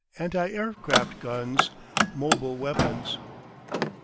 ANTI AIRCRAFT GUNS. MOBILE WEAPONS.